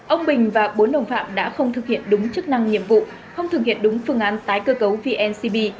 ông bình và bốn đồng phạm đã không thực hiện đúng chức năng nhiệm vụ không thực hiện đúng phương án tái cơ cấu vncb